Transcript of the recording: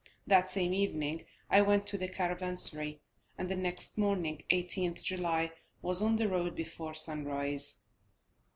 That same evening I went to the caravansary, and the next morning, 18th July, was on the road before sunrise.